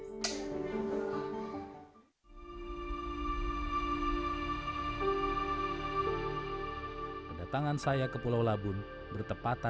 menginapkan pemberian tiket yang ditambah lagi berasal dari titik nya ya